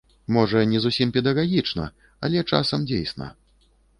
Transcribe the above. Можа, не зусім педагагічна, але часам дзейсна.